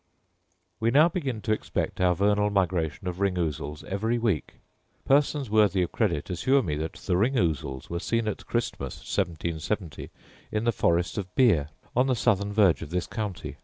We now begin to expect our vernal migration of ring ousels every week. Persons worthy of credit assure me that ring ousels were seen at Christmas 1770 in the forest of Bere, on the southern verge of this county.